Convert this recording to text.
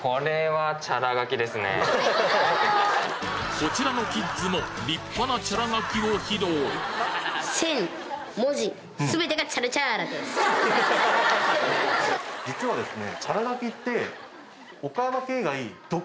こちらのキッズも立派なチャラ書きを披露実はですね。